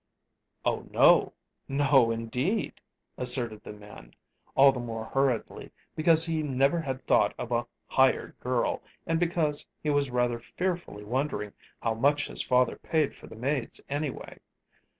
"Oh, no no, indeed," asserted the man, all the more hurriedly, because he never had thought of a "hired girl," and because he was rather fearfully wondering how much his father paid for the maids, anyway.